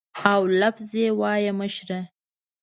او لفظ به یې وایه مشره.